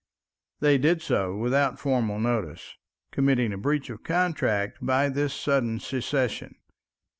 They did so without formal notice, committing a breach of contract by this sudden cessation.